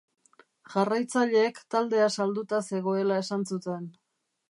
Jarraitzaileek taldea salduta zegoela esan zuten.